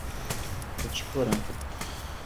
Cotiporã